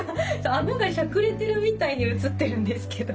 顎がしゃくれてるみたいに写ってるんですけど。